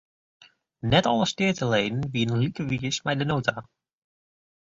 Net alle steateleden wienen like wiis mei de nota.